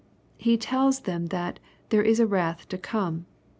He tells them that there is a " wrath to come."